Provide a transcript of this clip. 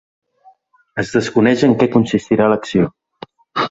Es desconeix en què consistirà l’acció.